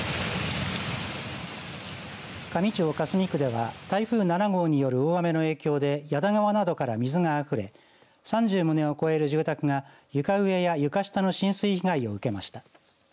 香美町香住区では台風７号による大雨の影響で矢田川などから水があふれ３０棟を超える住宅が床上や床下の浸水被害を受けました。